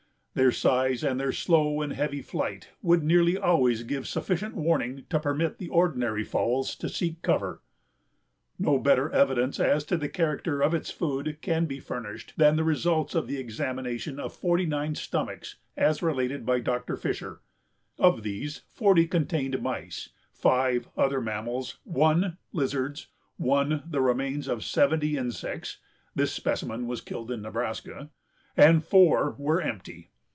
Their size and their slow and heavy flight would nearly always give sufficient warning to permit the ordinary fowls to seek cover. No better evidence as to the character of its food can be furnished than the results of the examination of forty nine stomachs as related by Dr. Fisher. Of these forty contained mice; five, other mammals; one, lizards; one, the remains of seventy insects (this specimen was killed in Nebraska); and four, were empty.